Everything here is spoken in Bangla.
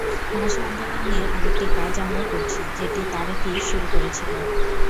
ভাষা আন্দোলন নিয়ে আরেকটি কাজ আমরা করছি, যেটি তারেকই শুরু করেছিল।